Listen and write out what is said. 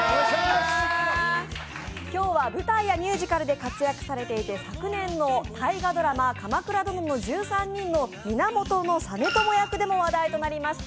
今日は、舞台やミュージカルで活躍されていて、昨年の大河ドラマ「鎌倉殿の１３人」の源実朝役でも話題となりました